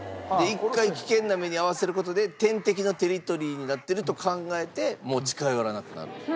一回危険な目に遭わせる事で天敵のテリトリーになってると考えてもう近寄らなくなると。